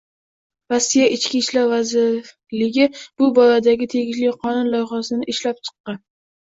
Rossiya Ichki ishlar vazirligi bu boradagi tegishli qonun loyihasini ishlab chiqqan